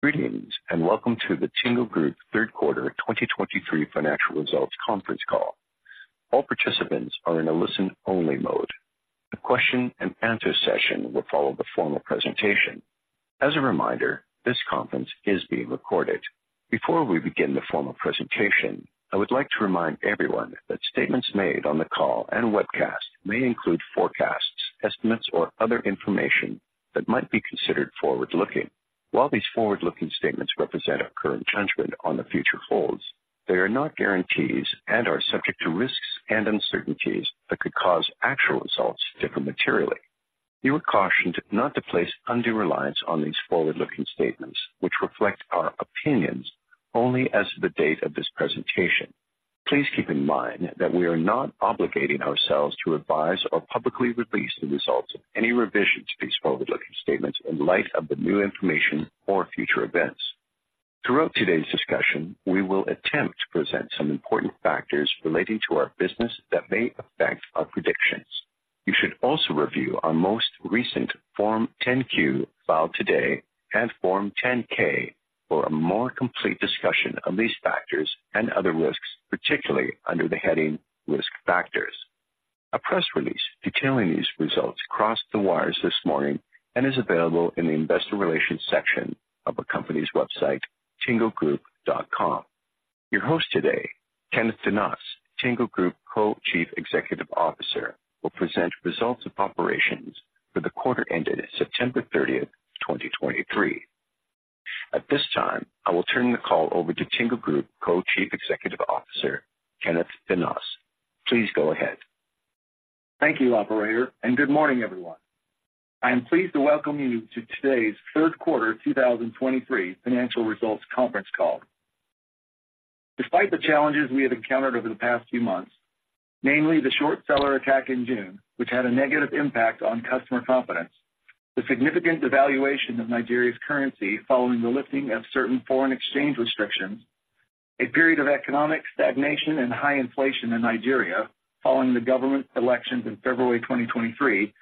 Greetings, and welcome to the Tingo Group third quarter 2023 financial results conference call. All participants are in a listen-only mode. A question-and-answer session will follow the formal presentation. As a reminder, this conference is being recorded. Before we begin the formal presentation, I would like to remind everyone that statements made on the call and webcast may include forecasts, estimates, or other information that might be considered forward-looking. While these forward-looking statements represent our current judgment on the future holds, they are not guarantees and are subject to risks and uncertainties that could cause actual results to differ materially. You are cautioned not to place undue reliance on these forward-looking statements, which reflect our opinions only as of the date of this presentation. Please keep in mind that we are not obligating ourselves to revise or publicly release the results of any revisions to these forward-looking statements in light of the new information or future events. Throughout today's discussion, we will attempt to present some important factors relating to our business that may affect our predictions. You should also review our most recent Form 10-Q filed today, and Form 10-K for a more complete discussion of these factors and other risks, particularly under the heading Risk Factors. A press release detailing these results crossed the wires this morning and is available in the investor relations section of our company's website, tingogroup.com. Your host today, Kenneth Denos, Tingo Group Co-Chief Executive Officer, will present results of operations for the quarter ended September 30th, 2023. At this time, I will turn the call over to Tingo Group Co-Chief Executive Officer, Kenneth Denos. Please go ahead. Thank you, operator, and good morning, everyone. I am pleased to welcome you to today's third quarter 2023 financial results conference call. Despite the challenges we have encountered over the past few months, namely the short seller attack in June, which had a negative impact on customer confidence, the significant devaluation of Nigeria's currency following the lifting of certain foreign exchange restrictions, a period of economic stagnation and high inflation in Nigeria following the government elections in February 2023,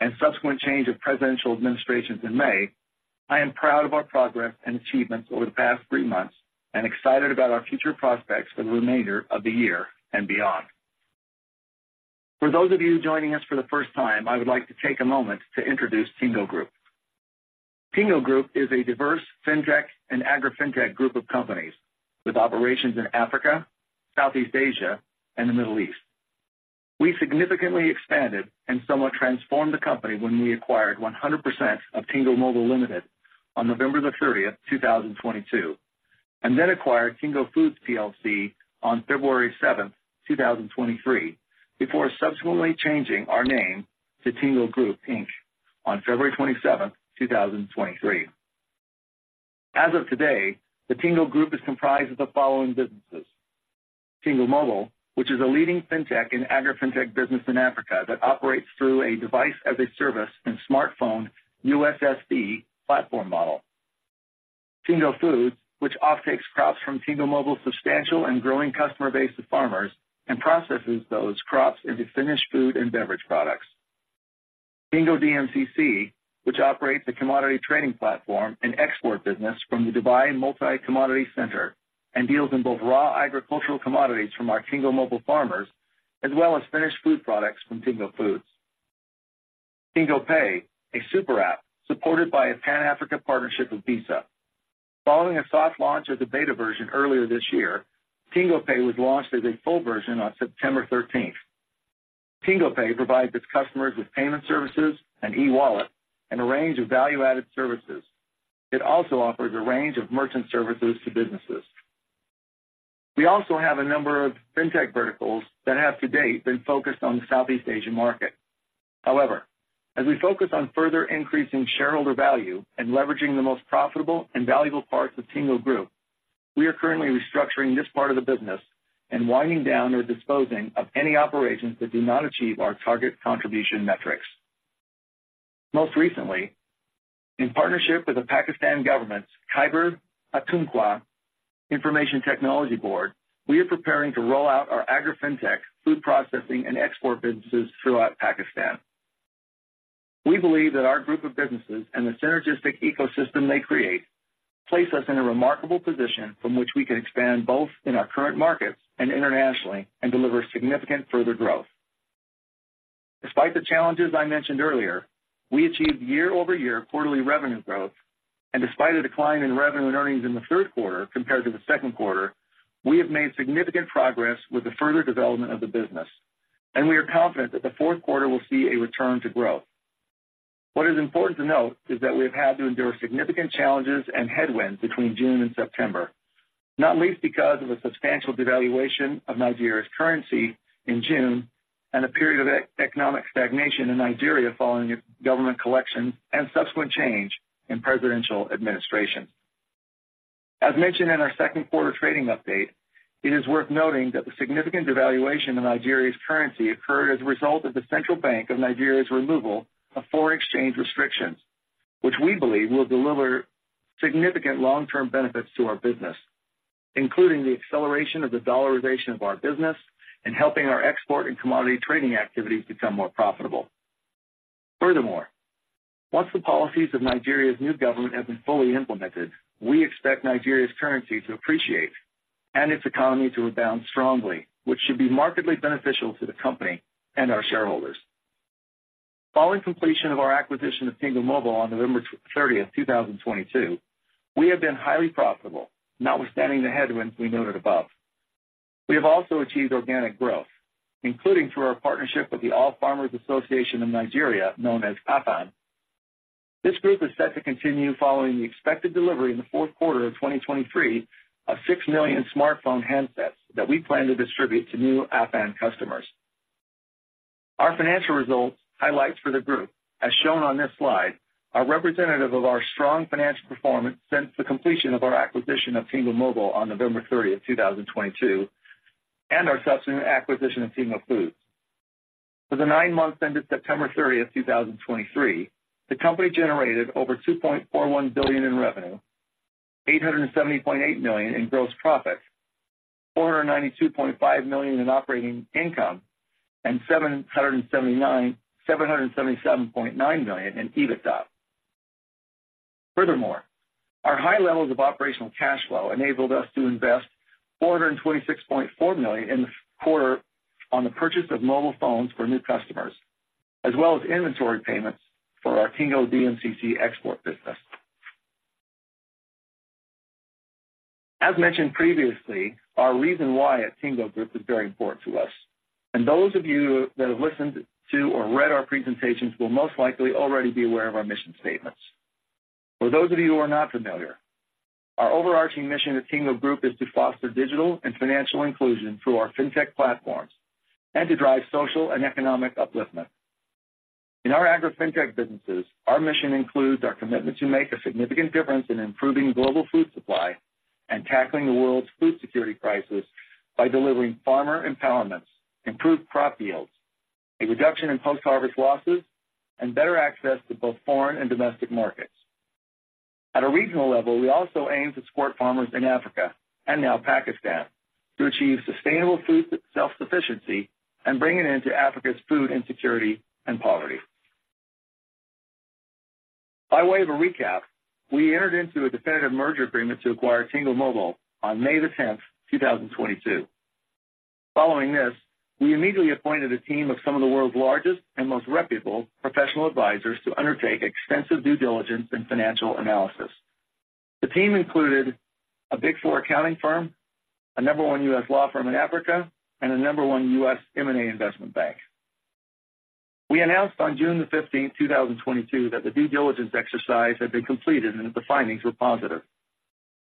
and subsequent change of presidential administrations in May, I am proud of our progress and achievements over the past three months and excited about our future prospects for the remainder of the year and beyond. For those of you joining us for the first time, I would like to take a moment to introduce Tingo Group. Tingo Group is a diverse Fintech and AgriFintech group of companies with operations in Africa, Southeast Asia, and the Middle East. We significantly expanded and somewhat transformed the company when we acquired 100% of Tingo Mobile Limited on November 30th, 2022, and then acquired Tingo Foods PLC on February 7th, 2023, before subsequently changing our name to Tingo Group, Inc. on February 27th, 2023. As of today, the Tingo Group is comprised of the following businesses: Tingo Mobile, which is a leading Fintech and AgriFintech business in Africa that operates through a Device as a Service and smartphone USSD platform model. Tingo Foods, which offtakes crops from Tingo Mobile's substantial and growing customer base of farmers and processes those crops into finished food and beverage products. Tingo DMCC, which operates a commodity trading platform and export business from the Dubai Multi Commodities Centre and deals in both raw agricultural commodities from our Tingo Mobile farmers as well as finished food products from Tingo Foods. TingoPay, a super app supported by a Pan-Africa partnership with Visa. Following a soft launch of the beta version earlier this year, TingoPay was launched as a full version on September thirteenth. TingoPay provides its customers with payment services and e-wallet and a range of value-added services. It also offers a range of merchant services to businesses. We also have a number of Fintech verticals that have to date been focused on the Southeast Asian market. However, as we focus on further increasing shareholder value and leveraging the most profitable and valuable parts of Tingo Group, we are currently restructuring this part of the business and winding down or disposing of any operations that do not achieve our target contribution metrics. Most recently, in partnership with the Pakistan government's Khyber Pakhtunkhwa Information Technology Board, we are preparing to roll out our AgriFintech, food processing, and export businesses throughout Pakistan. We believe that our group of businesses and the synergistic ecosystem they create place us in a remarkable position from which we can expand both in our current markets and internationally and deliver significant further growth. Despite the challenges I mentioned earlier, we achieved year-over-year quarterly revenue growth, and despite a decline in revenue and earnings in the third quarter compared to the second quarter, we have made significant progress with the further development of the business. We are confident that the fourth quarter will see a return to growth. What is important to note is that we have had to endure significant challenges and headwinds between June and September, not least because of a substantial devaluation of Nigeria's currency in June and a period of economic stagnation in Nigeria following the government election and subsequent change in presidential administration. As mentioned in our second quarter trading update, it is worth noting that the significant devaluation of Nigeria's currency occurred as a result of the Central Bank of Nigeria's removal of foreign exchange restrictions, which we believe will deliver significant long-term benefits to our business, including the acceleration of the dollarization of our business and helping our export and commodity trading activities become more profitable. Furthermore, once the policies of Nigeria's new government have been fully implemented, we expect Nigeria's currency to appreciate and its economy to rebound strongly, which should be markedly beneficial to the company and our shareholders. Following completion of our acquisition of Tingo Mobile on November 30th, 2022, we have been highly profitable, notwithstanding the headwinds we noted above. We have also achieved organic growth, including through our partnership with the All Farmers Association of Nigeria, known as AFAN. This group is set to continue following the expected delivery in the fourth quarter of 2023 of 6 million smartphone handsets that we plan to distribute to new AFAN customers. Our financial results highlights for the group, as shown on this slide, are representative of our strong financial performance since the completion of our acquisition of Tingo Mobile on November 30th, 2022, and our subsequent acquisition of Tingo Foods. For the nine months ended September 30th, 2023, the company generated over $2.41 billion in revenue, $870.8 million in gross profits, $492.5 million in operating income, and $777.9 million in EBITDA. Furthermore, our high levels of operational cash flow enabled us to invest $426.4 million in the quarter on the purchase of mobile phones for new customers, as well as inventory payments for our Tingo DMCC export business. As mentioned previously, our reason why at Tingo Group is very important to us, and those of you that have listened to or read our presentations will most likely already be aware of our mission statements. For those of you who are not familiar, our overarching mission at Tingo Group is to foster digital and financial inclusion through our Fintech platforms and to drive social and economic upliftment. In our AgriFintech businesses, our mission includes our commitment to make a significant difference in improving global food supply and tackling the world's food security crisis by delivering farmer empowerment, improved crop yields, a reduction in post-harvest losses, and better access to both foreign and domestic markets. At a regional level, we also aim to support farmers in Africa, and now Pakistan, to achieve sustainable food self-sufficiency and bring an end to Africa's food insecurity and poverty. By way of a recap, we entered into a definitive merger agreement to acquire Tingo Mobile on May 10th, 2022. Following this, we immediately appointed a team of some of the world's largest and most reputable professional advisors to undertake extensive due diligence and financial analysis. The team included a Big Four accounting firm, a number one U.S. law firm in Africa, and a number one U.S. M&A investment bank. We announced on June 15th, 2022, that the due diligence exercise had been completed and that the findings were positive.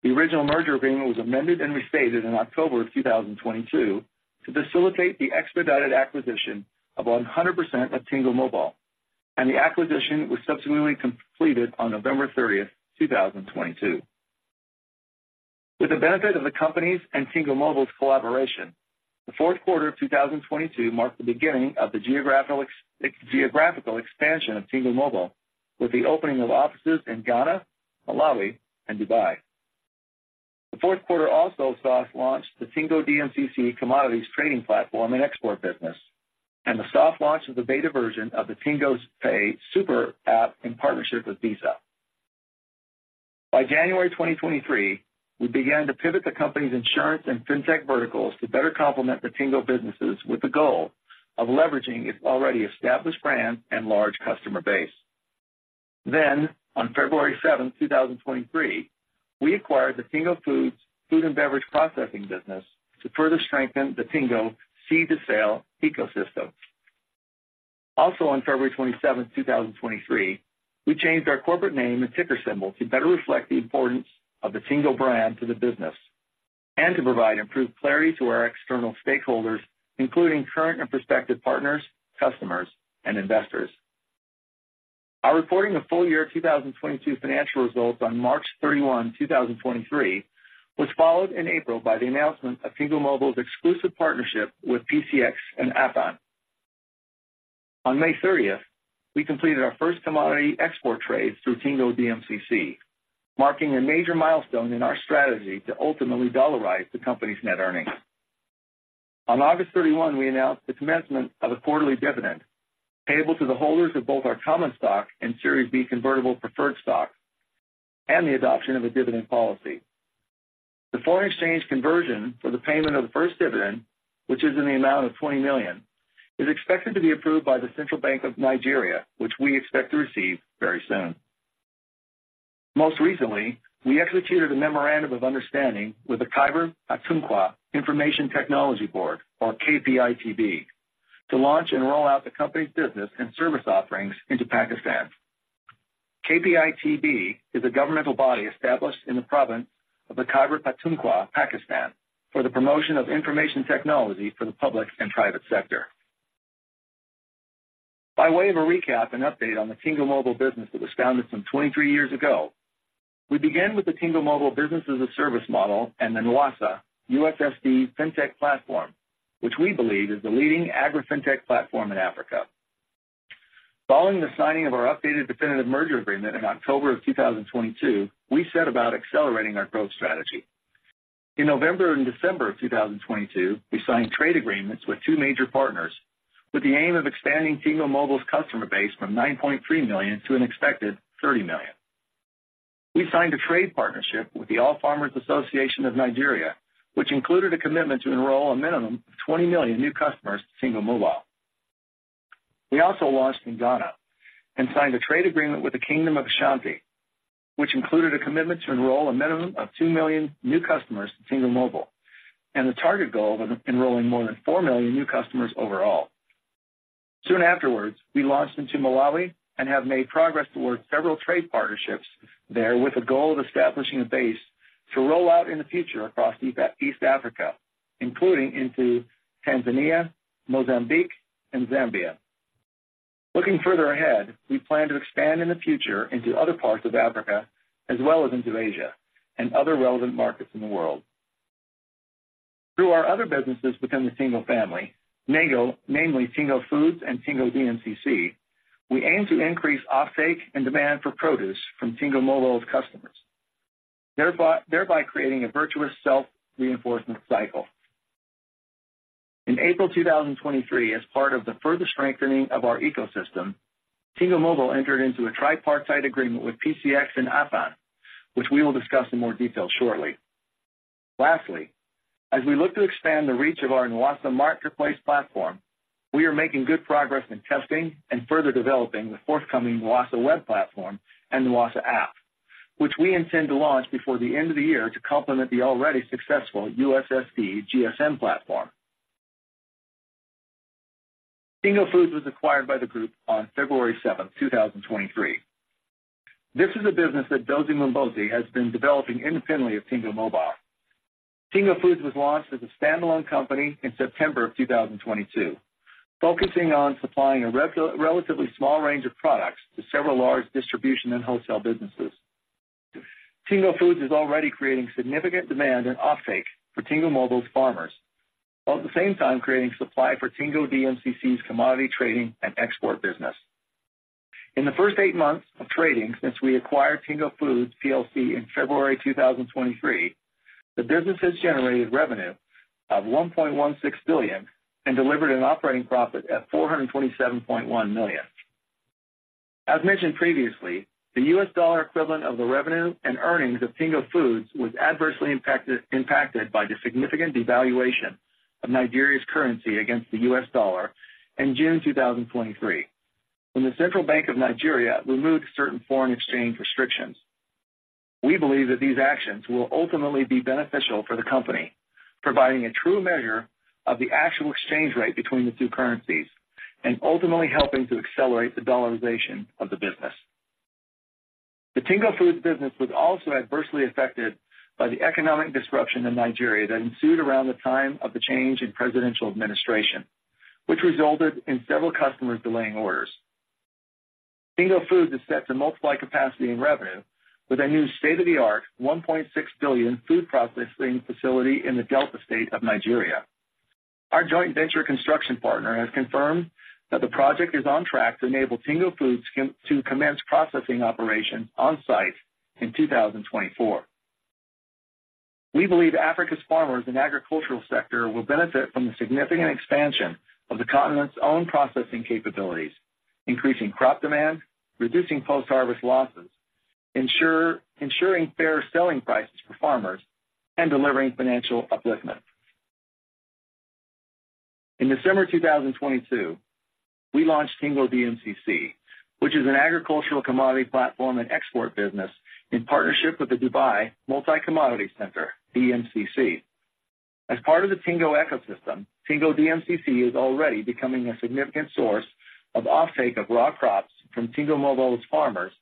The original merger agreement was amended and restated in October 2022 to facilitate the expedited acquisition of 100% of Tingo Mobile, and the acquisition was subsequently completed on November 30th, 2022. With the benefit of the company's and Tingo Mobile's collaboration, the fourth quarter of 2022 marked the beginning of the geographical geographical expansion of Tingo Mobile, with the opening of offices in Ghana, Malawi, and Dubai. The fourth quarter also soft launched the Tingo DMCC commodities trading platform and export business, and the soft launch of the beta version of the TingoPay Super App in partnership with Visa. By January 2023, we began to pivot the company's insurance and Fintech verticals to better complement the Tingo businesses, with the goal of leveraging its already established brand and large customer base. Then, on February 7th, 2023, we acquired the Tingo Foods food and beverage processing business to further strengthen the Tingo seed-to-sale ecosystem. Also, on February 27th, 2023, we changed our corporate name and ticker symbol to better reflect the importance of the Tingo brand to the business and to provide improved clarity to our external stakeholders, including current and prospective partners, customers, and investors. Our reporting of full year 2022 financial results on March 31, 2023, was followed in April by the announcement of Tingo Mobile's exclusive partnership with PCX and AFAN. On May 30th, we completed our first commodity export trade through Tingo DMCC, marking a major milestone in our strategy to ultimately dollarize the company's net earnings. On August 31, we announced the commencement of a quarterly dividend payable to the holders of both our common stock and Series B convertible preferred stock, and the adoption of a dividend policy. The foreign exchange conversion for the payment of the first dividend, which is in the amount of $20 million, is expected to be approved by the Central Bank of Nigeria, which we expect to receive very soon. Most recently, we executed a memorandum of understanding with the Khyber Pakhtunkhwa Information Technology Board, or KPITB, to launch and roll out the company's business and service offerings into Pakistan. KPITB is a governmental body established in the province of the Khyber Pakhtunkhwa, Pakistan, for the promotion of information technology for the public and private sector. By way of a recap and update on the Tingo Mobile business that was founded some 23 years ago, we began with the Tingo Mobile Business as a Service model and the Nwassa USSD Fintech platform, which we believe is the leading AgriFintech platform in Africa. Following the signing of our updated definitive merger agreement in October 2022, we set about accelerating our growth strategy. In November and December 2022, we signed trade agreements with two major partners, with the aim of expanding Tingo Mobile's customer base from 9.3 million to an expected 30 million. We signed a trade partnership with the All Farmers Association of Nigeria, which included a commitment to enroll a minimum of 20 million new customers to Tingo Mobile. We also launched in Ghana and signed a trade agreement with the Kingdom of Ashanti, which included a commitment to enroll a minimum of 2 million new customers to Tingo Mobile, and a target goal of enrolling more than 4 million new customers overall. Soon afterwards, we launched into Malawi and have made progress towards several trade partnerships there, with a goal of establishing a base to roll out in the future across East, East Africa, including into Tanzania, Mozambique, and Zambia. Looking further ahead, we plan to expand in the future into other parts of Africa, as well as into Asia and other relevant markets in the world. Through our other businesses within the Tingo family, Tingo, namely Tingo Foods and Tingo DMCC, we aim to increase offtake and demand for produce from Tingo Mobile's customers, thereby creating a virtuous self-reinforcement cycle. In April 2023, as part of the further strengthening of our ecosystem, Tingo Mobile entered into a tripartite agreement with PCX and AFAN, which we will discuss in more detail shortly. Lastly, as we look to expand the reach of our Nwassa marketplace platform, we are making good progress in testing and further developing the forthcoming Nwassa web platform and Nwassa app, which we intend to launch before the end of the year to complement the already successful USSD GSM platform. Tingo Foods was acquired by the group on February 7th, 2023. This is a business that Dozy Mmobuosi has been developing independently of Tingo Mobile. Tingo Foods was launched as a standalone company in September 2022, focusing on supplying a relatively small range of products to several large distribution and wholesale businesses. Tingo Foods is already creating significant demand and offtake for Tingo Mobile's farmers, while at the same time creating supply for Tingo DMCC's commodity trading and export business. In the first eight months of trading since we acquired Tingo Foods PLC in February 2023, the business has generated revenue of 1.16 billion and delivered an operating profit of 427.1 million. As mentioned previously, the US dollar equivalent of the revenue and earnings of Tingo Foods was adversely impacted by the significant devaluation of Nigeria's currency against the US dollar in June 2023, when the Central Bank of Nigeria removed certain foreign exchange restrictions. We believe that these actions will ultimately be beneficial for the company, providing a true measure of the actual exchange rate between the two currencies and ultimately helping to accelerate the dollarization of the business. The Tingo Foods business was also adversely affected by the economic disruption in Nigeria that ensued around the time of the change in presidential administration, which resulted in several customers delaying orders. Tingo Foods is set to multiply capacity and revenue with a new state-of-the-art $1.6 billion food processing facility in the Delta State of Nigeria. Our joint venture construction partner has confirmed that the project is on track to enable Tingo Foods to commence processing operations on-site in 2024. We believe Africa's farmers and agricultural sector will benefit from the significant expansion of the continent's own processing capabilities, increasing crop demand, reducing post-harvest losses, ensuring fair selling prices for farmers, and delivering financial upliftment. In December 2022, we launched Tingo DMCC, which is an agricultural commodity platform and export business in partnership with the Dubai Multi Commodities Centre, DMCC. As part of the Tingo ecosystem, Tingo DMCC is already becoming a significant source of offtake of raw crops from Tingo Mobile's farmers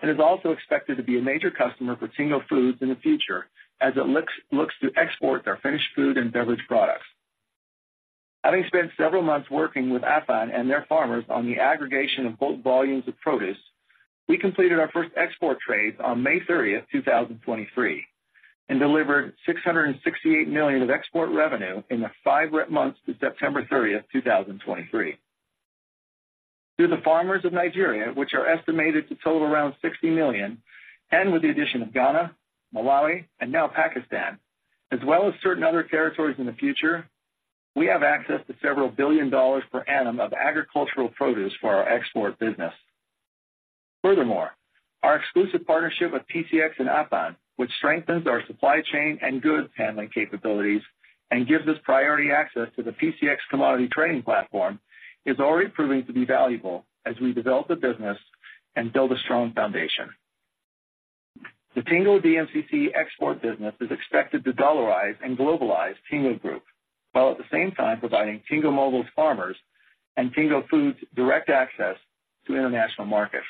and is also expected to be a major customer for Tingo Foods in the future as it looks to export their finished food and beverage products. Having spent several months working with AFAN and their farmers on the aggregation of both volumes of produce, we completed our first export trades on May 30th, 2023, and delivered $668 million of export revenue in the five months to September 30th, 2023. Through the farmers of Nigeria, which are estimated to total around 60 million, and with the addition of Ghana, Malawi, and now Pakistan, as well as certain other territories in the future, we have access to several billion dollars per annum of agricultural produce for our export business. Furthermore, our exclusive partnership with PCX and AFAN, which strengthens our supply chain and goods handling capabilities and gives us priority access to the PCX commodity trading platform, is already proving to be valuable as we develop the business and build a strong foundation. The Tingo DMCC export business is expected to dollarize and globalize Tingo Group, while at the same time providing Tingo Mobile's farmers and Tingo Foods direct access to international markets.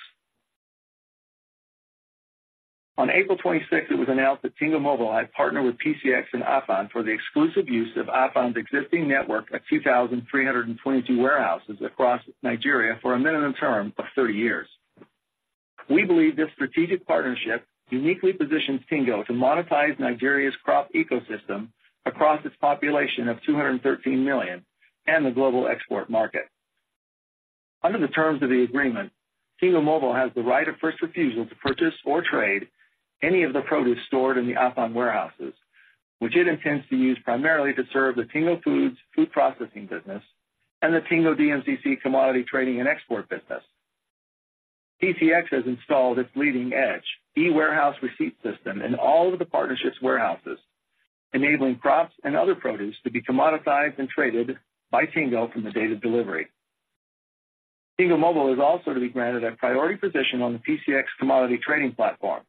On April 26, it was announced that Tingo Mobile had partnered with PCX and AFAN for the exclusive use of AFAN's existing network of 2,322 warehouses across Nigeria for a minimum term of 30 years. We believe this strategic partnership uniquely positions Tingo to monetize Nigeria's crop ecosystem across its population of 213 million and the global export market.... Under the terms of the agreement, Tingo Mobile has the right of first refusal to purchase or trade any of the produce stored in the AFAN warehouses, which it intends to use primarily to serve the Tingo Foods food processing business and the Tingo DMCC commodity trading and export business. PCX has installed its leading-edge e-warehouse receipt system in all of the partnership's warehouses, enabling crops and other produce to be commoditized and traded by Tingo from the date of delivery. Tingo Mobile is also to be granted a priority position on the PCX commodity trading platform,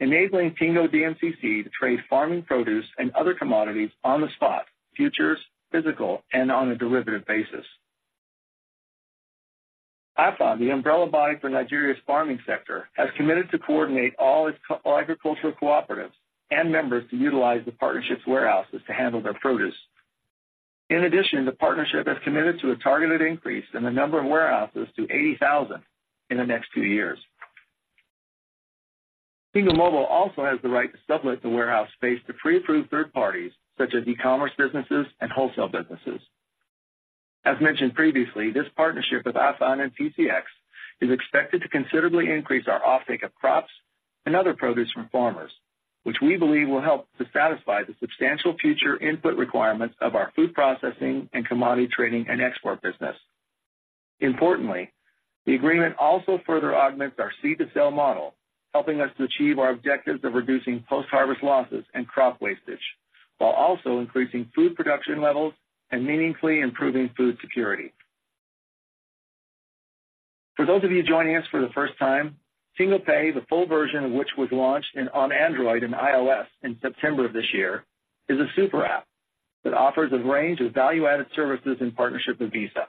enabling Tingo DMCC to trade farming produce and other commodities on the spot, futures, physical, and on a derivative basis. AFAN, the umbrella body for Nigeria's farming sector, has committed to coordinate all its agricultural cooperatives and members to utilize the partnership's warehouses to handle their produce. In addition, the partnership has committed to a targeted increase in the number of warehouses to 80,000 in the next two years. Tingo Mobile also has the right to sublet the warehouse space to pre-approved third parties, such as e-commerce businesses and wholesale businesses. As mentioned previously, this partnership with AFAN and PCX is expected to considerably increase our offtake of crops and other produce from farmers, which we believe will help to satisfy the substantial future input requirements of our food processing and commodity trading and export business. Importantly, the agreement also further augments our seed-to-sale model, helping us to achieve our objectives of reducing post-harvest losses and crop wastage, while also increasing food production levels and meaningfully improving food security. For those of you joining us for the first time, TingoPay, the full version of which was launched on Android and iOS in September of this year, is a super app that offers a range of value-added services in partnership with Visa.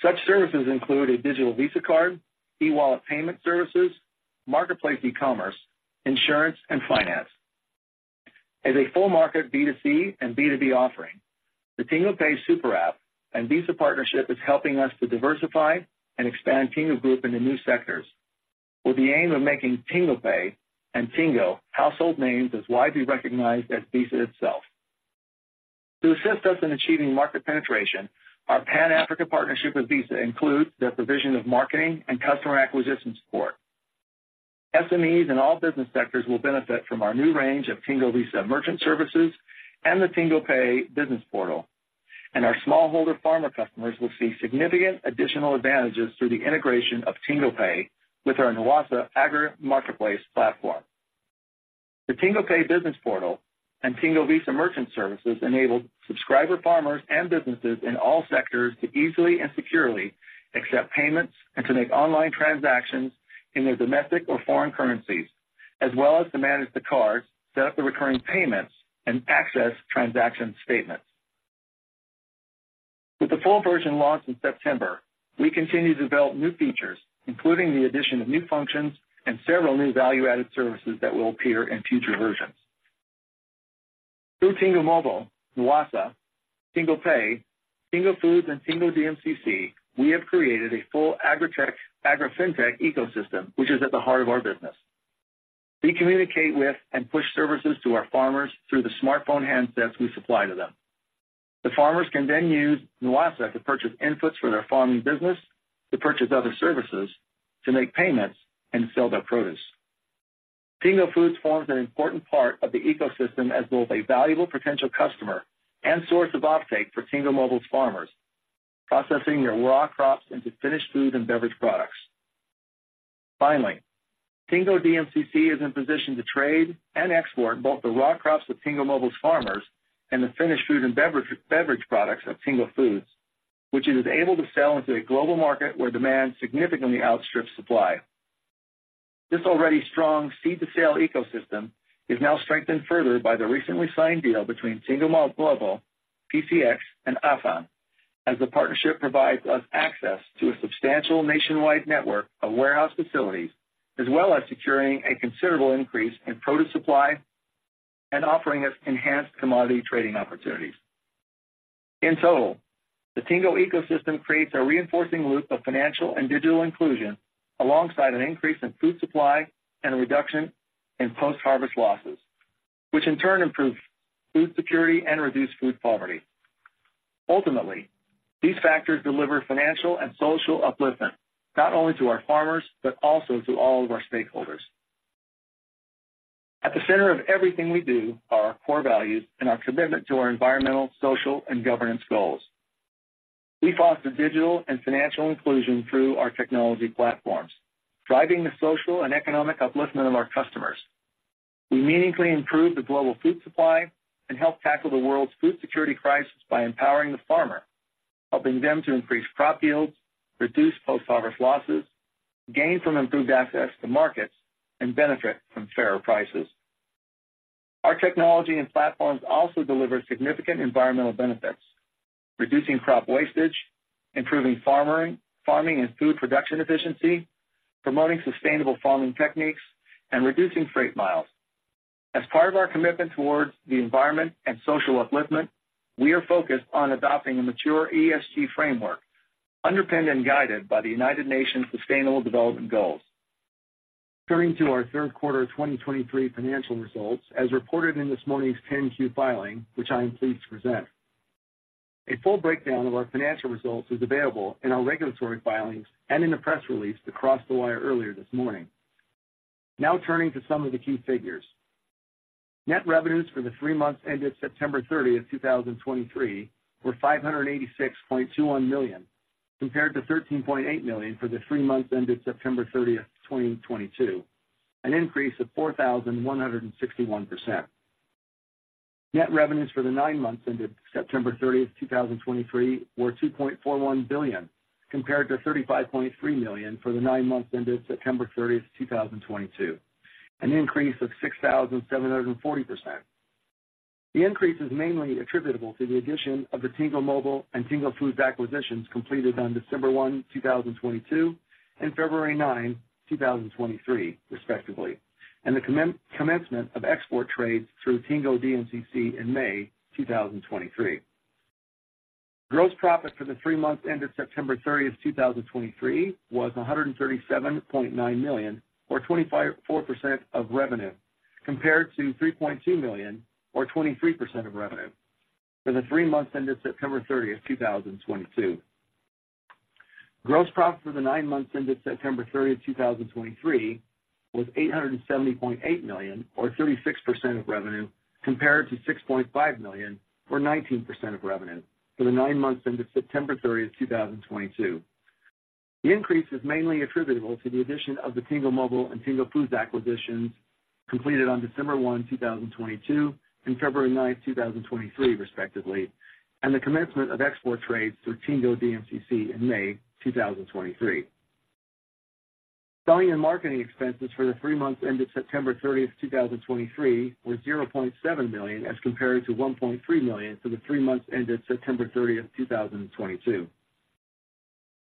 Such services include a digital Visa card, e-wallet payment services, marketplace e-commerce, insurance, and finance. As a full market B2C and B2B offering, the TingoPay super app and Visa partnership is helping us to diversify and expand Tingo Group into new sectors, with the aim of making TingoPay and Tingo household names as widely recognized as Visa itself. To assist us in achieving market penetration, our Pan-Africa partnership with Visa includes the provision of marketing and customer acquisition support. SMEs in all business sectors will benefit from our new range of Tingo Visa merchant services and the TingoPay business portal, and our smallholder farmer customers will see significant additional advantages through the integration of TingoPay with our Nwassa agri marketplace platform. The TingoPay business portal and Tingo Visa merchant services enable subscriber farmers and businesses in all sectors to easily and securely accept payments and to make online transactions in their domestic or foreign currencies, as well as to manage the cards, set up the recurring payments, and access transaction statements. With the full version launched in September, we continue to develop new features, including the addition of new functions and several new value-added services that will appear in future versions. Through Tingo Mobile, Nwassa, TingoPay, Tingo Foods, and Tingo DMCC, we have created a full agritech, agri-fintech ecosystem, which is at the heart of our business. We communicate with and push services to our farmers through the smartphone handsets we supply to them. The farmers can then use Nwassa to purchase inputs for their farming business, to purchase other services, to make payments, and sell their produce. Tingo Foods forms an important part of the ecosystem as both a valuable potential customer and source of offtake for Tingo Mobile's farmers, processing their raw crops into finished food and beverage products. Finally, Tingo DMCC is in position to trade and export both the raw crops of Tingo Mobile's farmers and the finished food and beverage, beverage products of Tingo Foods, which it is able to sell into a global market where demand significantly outstrips supply. This already strong Seed-to-Sale ecosystem is now strengthened further by the recently signed deal between Tingo Mobile, Global, PCX, and AFAN, as the partnership provides us access to a substantial nationwide network of warehouse facilities, as well as securing a considerable increase in produce supply and offering us enhanced commodity trading opportunities. In total, the Tingo ecosystem creates a reinforcing loop of financial and digital inclusion alongside an increase in food supply and a reduction in post-harvest losses, which in turn improves food security and reduces food poverty. Ultimately, these factors deliver financial and social upliftment, not only to our farmers, but also to all of our stakeholders. At the center of everything we do are our core values and our commitment to our Environmental, Social, and Governance goals. We foster digital and financial inclusion through our technology platforms, driving the social and economic upliftment of our customers. We meaningfully improve the global food supply and help tackle the world's food security crisis by empowering the farmer, helping them to increase crop yields, reduce post-harvest losses, gain from improved access to markets, and benefit from fairer prices. Our technology and platforms also deliver significant environmental benefits: reducing crop wastage, improving farming and food production efficiency, promoting sustainable farming techniques, and reducing freight miles. As part of our commitment towards the environment and social upliftment, we are focused on adopting a mature ESG framework, underpinned and guided by the United Nations Sustainable Development Goals. Turning to our third quarter 2023 financial results, as reported in this morning's 10-Q filing, which I am pleased to present. A full breakdown of our financial results is available in our regulatory filings and in the press release that crossed the wire earlier this morning. Now turning to some of the key figures. Net revenues for the three months ended September 30th, 2023, were $586.21 million, compared to $13.8 million for the three months ended September 30th, 2022, an increase of 4,161%. Net revenues for the nine months ended September 30th, 2023, were $2.41 billion, compared to $35.3 million for the nine months ended September 30th, 2022, an increase of 6,740%. The increase is mainly attributable to the addition of the Tingo Mobile and Tingo Foods acquisitions completed on December 1, 2022, and February 9, 2023, respectively, and the commencement of export trades through Tingo DMCC in May 2023. Gross profit for the three months ended September 30th, 2023, was $137.9 million, or 25.4% of revenue, compared to $3.2 million, or 23% of revenue, for the three months ended September 30th, 2022. Gross profit for the nine months ended September 30th, 2023, was $870.8 million, or 36% of revenue, compared to $6.5 million, or 19% of revenue, for the nine months ended September 30th, 2022. The increase is mainly attributable to the addition of the Tingo Mobile and Tingo Foods acquisitions completed on December 1, 2022, and February 9, 2023, respectively, and the commencement of export trades through Tingo DMCC in May 2023. Selling and marketing expenses for the three months ended September 30th, 2023, were $0.7 million, as compared to $1.3 million for the three months ended September 30th, 2022.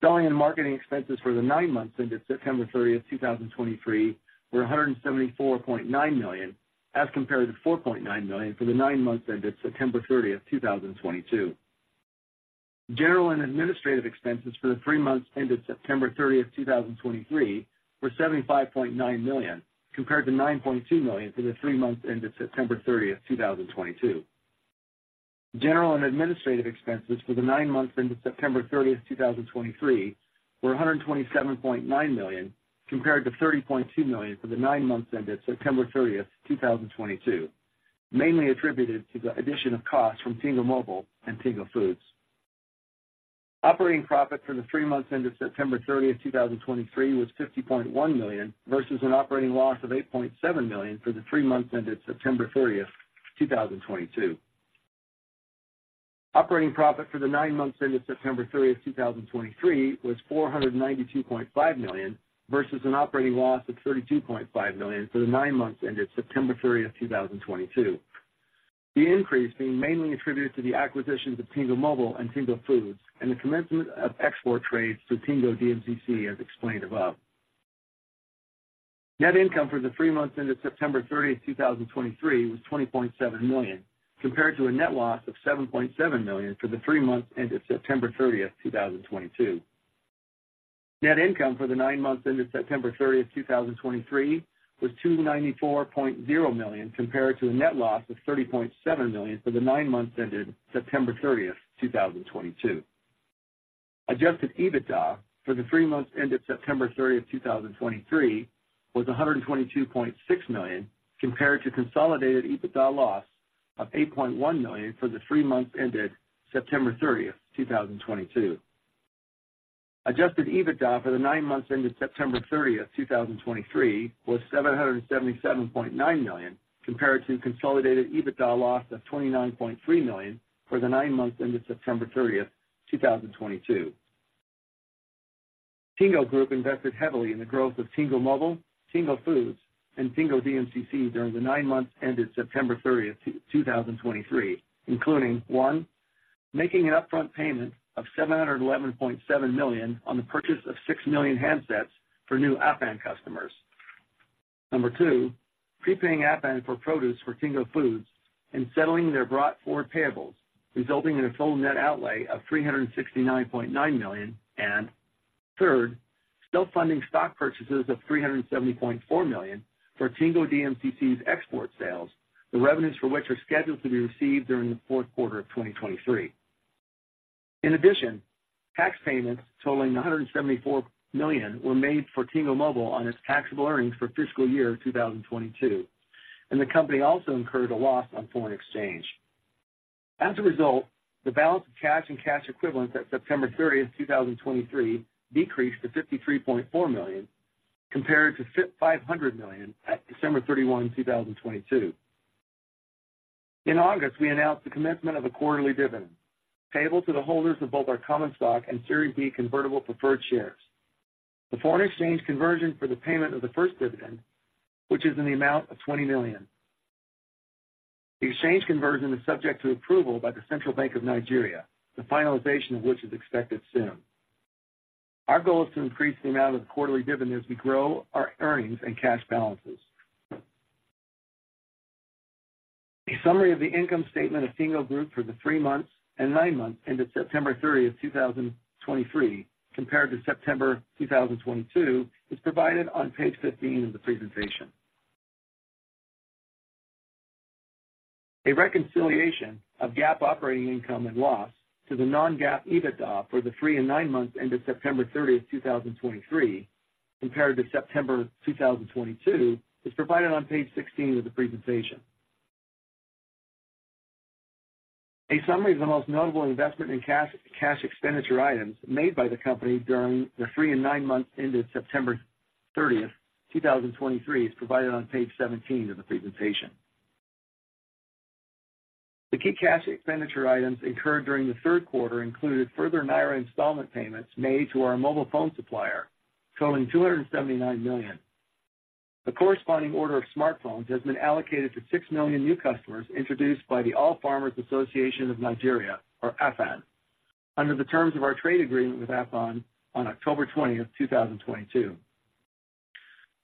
Selling and marketing expenses for the nine months ended September 30th, 2023, were $174.9 million, as compared to $4.9 million for the nine months ended September 30th, 2022. General and administrative expenses for the three months ended September 30th, 2023, were $75.9 million, compared to $9.2 million for the three months ended September 30th, 2022. General and administrative expenses for the nine months ended September 30th, 2023, were $127.9 million, compared to $30.2 million for the nine months ended September 30th, 2022. Mainly attributed to the addition of costs from Tingo Mobile and Tingo Foods. Operating profit for the three months ended September thirtieth, 2023, was $50.1 million, versus an operating loss of $8.7 million for the three months ended September thirtieth, 2022. Operating profit for the nine months ended September thirtieth, 2023, was $492.5 million, versus an operating loss of $32.5 million for the nine months ended September thirtieth, 2022. The increase being mainly attributed to the acquisitions of Tingo Mobile and Tingo Foods, and the commencement of export trades through Tingo DMCC, as explained above. Net income for the three months ended September 30th, 2023, was $20.7 million, compared to a net loss of $7.7 million for the three months ended September 30th, 2022. Net income for the nine months ended September 30th, 2023, was $294.0 million, compared to a net loss of $30.7 million for the nine months ended September 30th, 2022. Adjusted EBITDA for the three months ended September 30th, 2023, was $122.6 million, compared to consolidated EBITDA loss of $8.1 million for the three months ended September 30th, 2022. Adjusted EBITDA for the nine months ended September 30th, 2023, was $777.9 million, compared to consolidated EBITDA loss of $29.3 million for the nine months ended September 30th, 2022. Tingo Group invested heavily in the growth of Tingo Mobile, Tingo Foods, and Tingo DMCC during the nine months ended September 30th, 2023, including, one, making an upfront payment of $711.7 million on the purchase of 6 million handsets for new AFAN customers. Number two, prepaying AFAN for produce for Tingo Foods and settling their brought-forward payables, resulting in a total net outlay of $369.9 million. And third, self-funding stock purchases of $370.4 million for Tingo DMCC's export sales, the revenues for which are scheduled to be received during the fourth quarter of 2023. In addition, tax payments totaling $174 million were made for Tingo Mobile on its taxable earnings for fiscal year 2022, and the company also incurred a loss on foreign exchange. As a result, the balance of cash and cash equivalents at September 30th, 2023, decreased to $53.4 million, compared to five hundred million at December 31, 2022. In August, we announced the commencement of a quarterly dividend, payable to the holders of both our common stock and Series B convertible preferred shares. The foreign exchange conversion for the payment of the first dividend, which is in the amount of $20 million. The exchange conversion is subject to approval by the Central Bank of Nigeria, the finalization of which is expected soon. Our goal is to increase the amount of the quarterly dividend as we grow our earnings and cash balances.... A summary of the income statement of Tingo Group for the three months and nine months ended September 30th, 2023, compared to September 2022, is provided on page 15 of the presentation. A reconciliation of GAAP operating income and loss to the non-GAAP EBITDA for the three and nine months ended September 30th, 2023, compared to September 2022, is provided on page 16 of the presentation. A summary of the most notable investment in cash, cash expenditure items made by the company during the three and nine months ended September 30th, 2023, is provided on page 17 of the presentation. The key cash expenditure items incurred during the third quarter included further NGN 279 million installment payments made to our mobile phone supplier. The corresponding order of smartphones has been allocated to 6 million new customers introduced by the All Farmers Association of Nigeria, or AFAN, under the terms of our trade agreement with AFAN on October twentieth, 2022.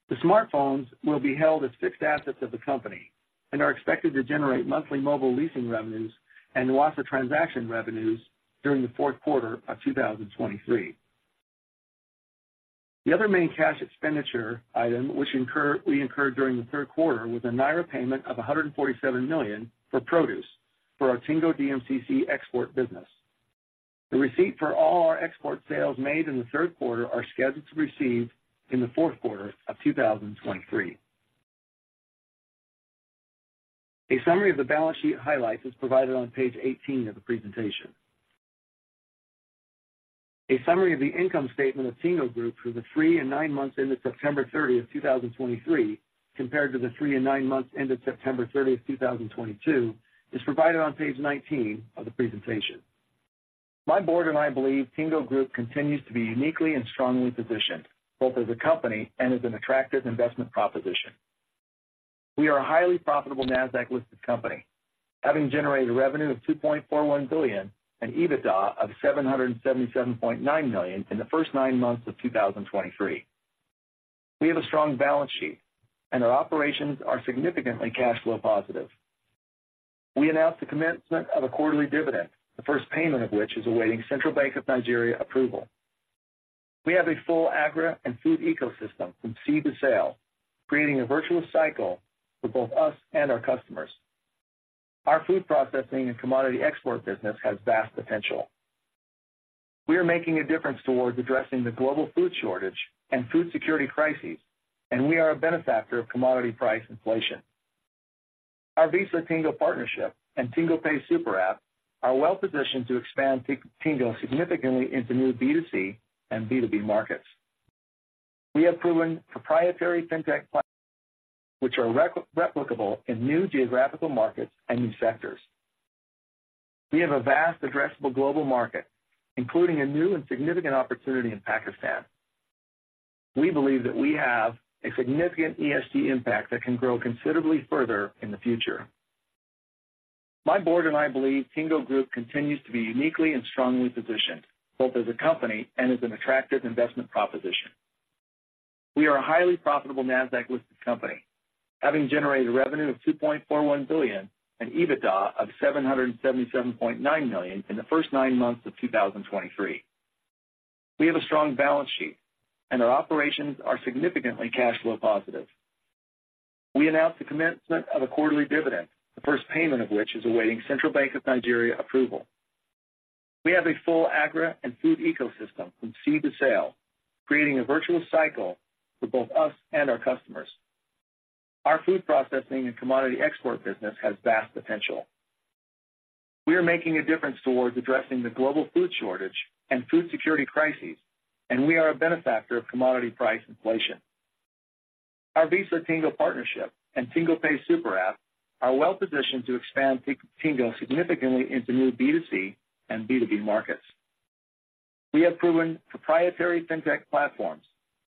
The smartphones will be held as fixed assets of the company and are expected to generate monthly mobile leasing revenues and lots of transaction revenues during the fourth quarter of 2023. The other main cash expenditure item, which we incurred during the third quarter, was a 147 million payment for produce for our Tingo DMCC export business. The receipt for all our export sales made in the third quarter are scheduled to receive in the fourth quarter of 2023. A summary of the balance sheet highlights is provided on page 18 of the presentation. A summary of the income statement of Tingo Group for the three and nine months ended September 30th, 2023, compared to the three and nine months ended September 30th, 2022, is provided on page 19 of the presentation. My board and I believe Tingo Group continues to be uniquely and strongly positioned, both as a company and as an attractive investment proposition. We are a highly profitable NASDAQ-listed company, having generated revenue of $2.41 billion and EBITDA of $777.9 million in the first nine months of 2023. We have a strong balance sheet, and our operations are significantly cash flow positive. We announced the commencement of a quarterly dividend, the first payment of which is awaiting Central Bank of Nigeria approval. We have a full agri and food ecosystem from seed to sale, creating a virtuous cycle for both us and our customers. Our food processing and commodity export business has vast potential. We are making a difference towards addressing the global food shortage and food security crises, and we are a benefactor of commodity price inflation. Our Visa Tingo partnership and TingoPay Super App are well positioned to expand Tingo significantly into new B2C and B2B markets. We have proven proprietary Fintech platforms, which are replicable in new geographical markets and new sectors. We have a vast addressable global market, including a new and significant opportunity in Pakistan. We believe that we have a significant ESG impact that can grow considerably further in the future. My board and I believe Tingo Group continues to be uniquely and strongly positioned, both as a company and as an attractive investment proposition. We are a highly profitable NASDAQ-listed company, having generated revenue of $2.41 billion and EBITDA of $777.9 million in the first nine months of 2023. We have a strong balance sheet, and our operations are significantly cash flow positive. We announced the commencement of a quarterly dividend, the first payment of which is awaiting Central Bank of Nigeria approval. We have a full agri and food ecosystem from seed to sale, creating a virtuous cycle for both us and our customers. Our food processing and commodity export business has vast potential. We are making a difference towards addressing the global food shortage and food security crises, and we are a benefactor of commodity price inflation. Our Visa Tingo partnership and TingoPay Super App are well positioned to expand Tingo significantly into new B2C and B2B markets. We have proven proprietary FinTech platforms,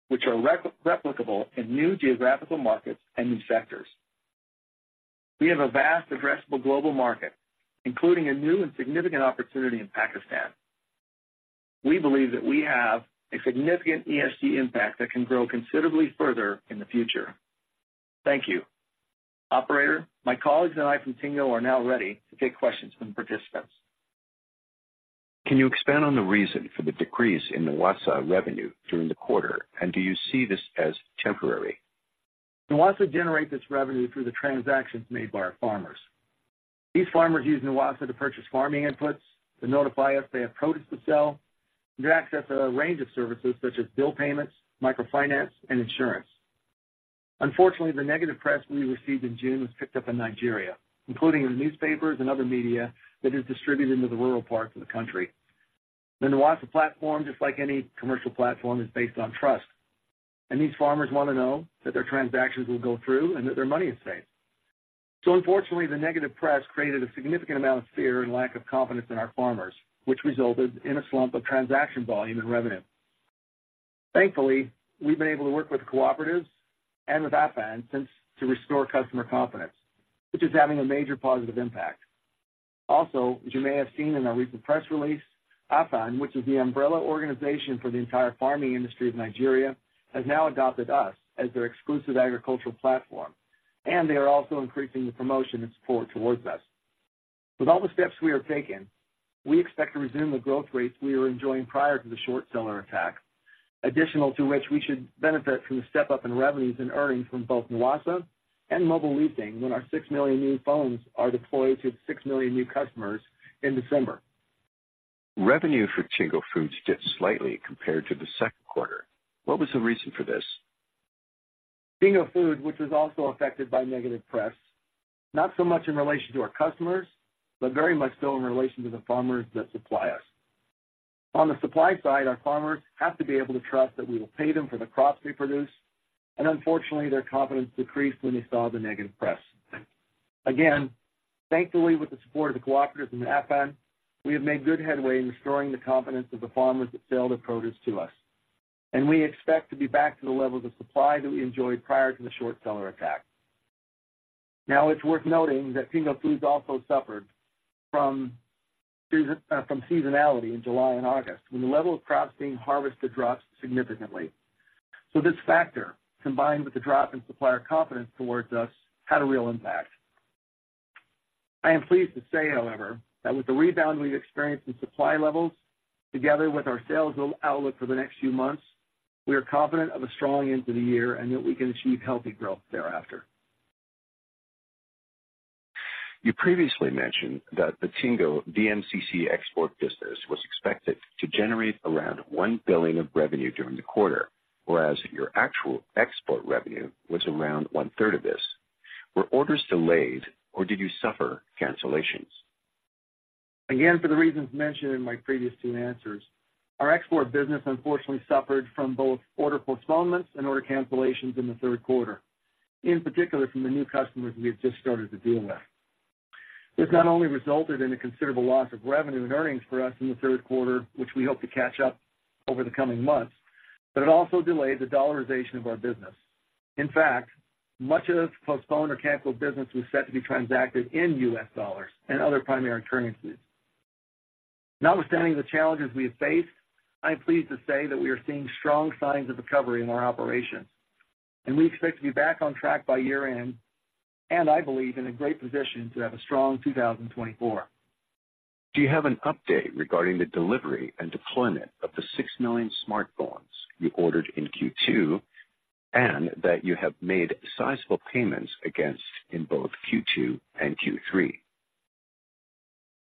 which are replicable in new geographical markets and new sectors. We have a vast addressable global market, including a new and significant opportunity in Pakistan. We believe that we have a significant ESG impact that can grow considerably further in the future. Thank you. Operator, my colleagues and I from Tingo are now ready to take questions from participants. Can you expand on the reason for the decrease in Nwassa revenue during the quarter, and do you see this as temporary? Nwassa generates its revenue through the transactions made by our farmers. These farmers use Nwassa to purchase farming inputs, to notify us they have produce to sell, and to access a range of services such as bill payments, microfinance, and insurance. Unfortunately, the negative press we received in June was picked up in Nigeria, including in the newspapers and other media that is distributed into the rural parts of the country. The Nwassa platform, just like any commercial platform, is based on trust, and these farmers want to know that their transactions will go through and that their money is safe. So unfortunately, the negative press created a significant amount of fear and lack of confidence in our farmers, which resulted in a slump of transaction volume and revenue. Thankfully, we've been able to work with cooperatives and with AFAN since to restore customer confidence, which is having a major positive impact. Also, as you may have seen in our recent press release, AFAN, which is the umbrella organization for the entire farming industry of Nigeria, has now adopted us as their exclusive agricultural platform, and they are also increasing the promotion and support towards us. With all the steps we are taking, we expect to resume the growth rates we were enjoying prior to the short-seller attack. Additional to which, we should benefit from the step-up in revenues and earnings from both Nwassa and mobile leasing when our 6 million new phones are deployed to the 6 million new customers in December. Revenue for Tingo Foods dipped slightly compared to the second quarter. What was the reason for this? Tingo Foods, which was also affected by negative press, not so much in relation to our customers, but very much so in relation to the farmers that supply us. On the supply side, our farmers have to be able to trust that we will pay them for the crops they produce, and unfortunately, their confidence decreased when they saw the negative press. Again, thankfully, with the support of the cooperatives and AFAN, we have made good headway in restoring the confidence of the farmers that sell their produce to us, and we expect to be back to the levels of supply that we enjoyed prior to the short-seller attack. Now, it's worth noting that Tingo Foods also suffered from season, from seasonality in July and August, when the level of crops being harvested drops significantly. This factor, combined with the drop in supplier confidence towards us, had a real impact. I am pleased to say, however, that with the rebound we've experienced in supply levels, together with our sales outlook for the next few months, we are confident of a strong end to the year and that we can achieve healthy growth thereafter. You previously mentioned that the Tingo DMCC export business was expected to generate around $1 billion of revenue during the quarter, whereas your actual export revenue was around one-third of this. Were orders delayed, or did you suffer cancellations? Again, for the reasons mentioned in my previous two answers, our export business unfortunately suffered from both order postponements and order cancellations in the third quarter, in particular from the new customers we had just started to deal with. This not only resulted in a considerable loss of revenue and earnings for us in the third quarter, which we hope to catch up over the coming months, but it also delayed the dollarization of our business. In fact, much of the postponed or canceled business was set to be transacted in US dollars and other primary currencies. Notwithstanding the challenges we have faced, I am pleased to say that we are seeing strong signs of recovery in our operations, and we expect to be back on track by year-end, and I believe, in a great position to have a strong 2024. Do you have an update regarding the delivery and deployment of the 6 million smartphones you ordered in Q2, and that you have made sizable payments against in both Q2 and Q3?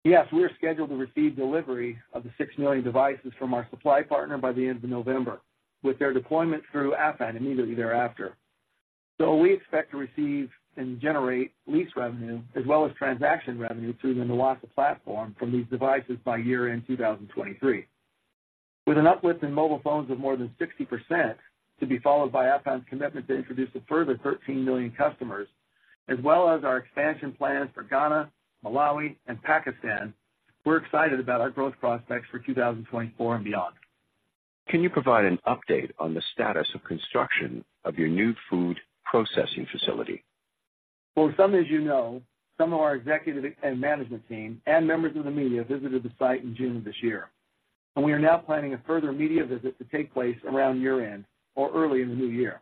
Yes, we are scheduled to receive delivery of the 6 million devices from our supply partner by the end of November, with their deployment through AFAN immediately thereafter. So we expect to receive and generate lease revenue, as well as transaction revenue through the Nwassa platform from these devices by year-end 2023. With an uplift in mobile phones of more than 60%, to be followed by AFAN's commitment to introduce a further 13 million customers, as well as our expansion plans for Ghana, Malawi, and Pakistan, we're excited about our growth prospects for 2024 and beyond. Can you provide an update on the status of construction of your new food processing facility? Well, some of us, as you know, some of our executive and management team and members of the media visited the site in June of this year, and we are now planning a further media visit to take place around year-end or early in the new year.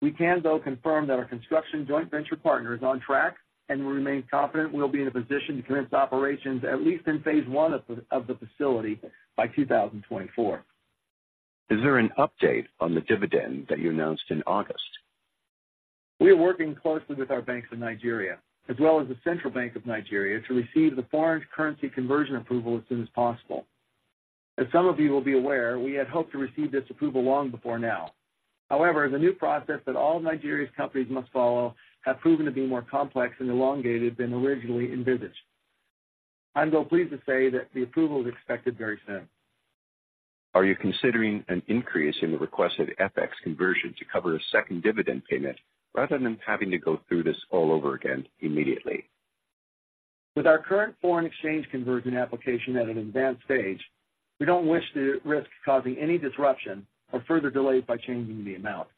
We can, though, confirm that our construction joint venture partner is on track, and we remain confident we will be in a position to commence operations at least in phase I of the facility by 2024. Is there an update on the dividend that you announced in August? We are working closely with our banks in Nigeria, as well as the Central Bank of Nigeria, to receive the foreign currency conversion approval as soon as possible. As some of you will be aware, we had hoped to receive this approval long before now. However, the new process that all Nigeria's companies must follow have proven to be more complex and elongated than originally envisaged. I'm though pleased to say that the approval is expected very soon. Are you considering an increase in the requested FX conversion to cover a second dividend payment, rather than having to go through this all over again immediately? With our current foreign exchange conversion application at an advanced stage, we don't wish to risk causing any disruption or further delays by changing the amount.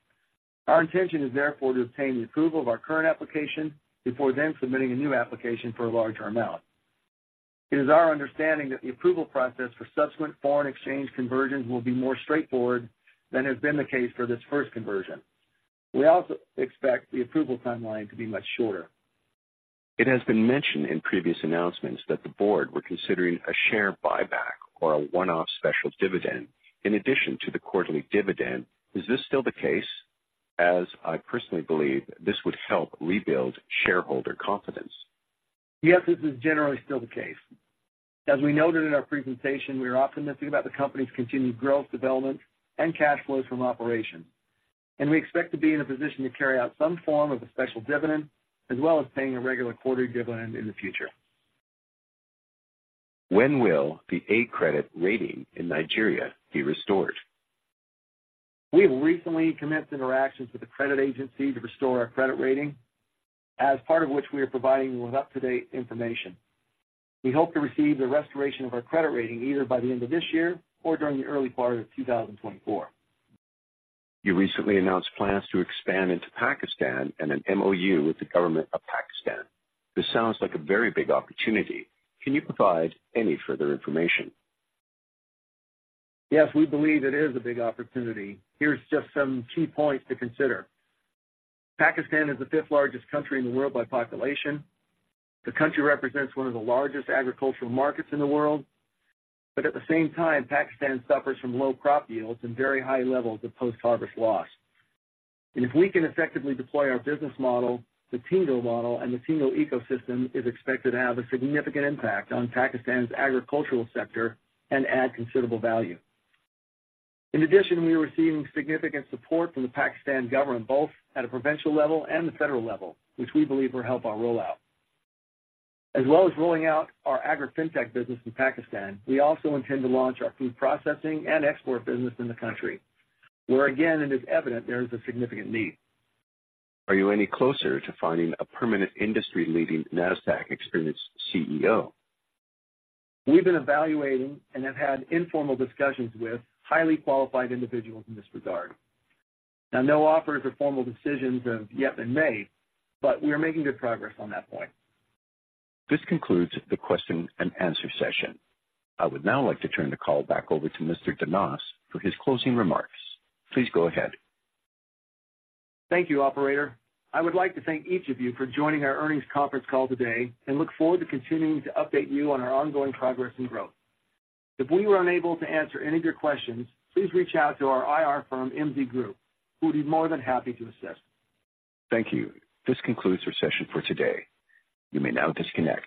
Our intention is therefore to obtain the approval of our current application before then submitting a new application for a larger amount. It is our understanding that the approval process for subsequent foreign exchange conversions will be more straightforward than has been the case for this first conversion. We also expect the approval timeline to be much shorter. It has been mentioned in previous announcements that the board were considering a share buyback or a one-off special dividend in addition to the quarterly dividend. Is this still the case? As I personally believe, this would help rebuild shareholder confidence. Yes, this is generally still the case. As we noted in our presentation, we are optimistic about the company's continued growth, development, and cash flows from operations, and we expect to be in a position to carry out some form of a special dividend, as well as paying a regular quarterly dividend in the future. When will the A credit rating in Nigeria be restored? We have recently commenced interactions with the credit agency to restore our credit rating, as part of which we are providing them with up-to-date information. We hope to receive the restoration of our credit rating either by the end of this year or during the early quarter of 2024. You recently announced plans to expand into Pakistan and an MOU with the government of Pakistan. This sounds like a very big opportunity. Can you provide any further information? Yes, we believe it is a big opportunity. Here's just some key points to consider. Pakistan is the fifth-largest country in the world by population. The country represents one of the largest agricultural markets in the world, but at the same time, Pakistan suffers from low crop yields and very high levels of post-harvest loss. If we can effectively deploy our business model, the Tingo model and the Tingo ecosystem is expected to have a significant impact on Pakistan's agricultural sector and add considerable value. In addition, we are receiving significant support from the Pakistan government, both at a provincial level and the federal level, which we believe will help our rollout. As well as rolling out our Agri-Fintech business in Pakistan, we also intend to launch our food processing and export business in the country, where again, it is evident there is a significant need. Are you any closer to finding a permanent industry-leading, NASDAQ experienced CEO? We've been evaluating and have had informal discussions with highly qualified individuals in this regard. Now, no offers or formal decisions have yet been made, but we are making good progress on that point. This concludes the question and answer session. I would now like to turn the call back over to Mr. Denos for his closing remarks. Please go ahead. Thank you, operator. I would like to thank each of you for joining our earnings conference call today and look forward to continuing to update you on our ongoing progress and growth. If we were unable to answer any of your questions, please reach out to our IR firm, MZ Group, who would be more than happy to assist. Thank you. This concludes our session for today. You may now disconnect.